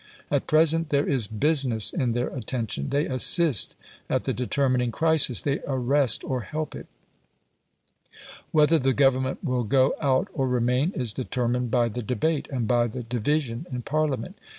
At present there is BUSINESS in their attention. They assist at the determining crisis; they arrest or help it. Whether the Government will go out or remain is determined by the debate, and by the division in Parliament.